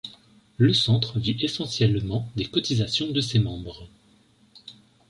Le Centre vit essentiellement des cotisations de ses membres.